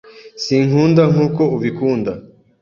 Sinkunda nkuko ubikunda.